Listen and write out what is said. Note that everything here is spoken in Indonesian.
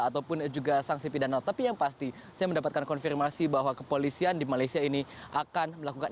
ataupun juga sanksi pidana tapi yang pasti saya mendapatkan konfirmasi bahwa kepolisian di malaysia ini akan melakukan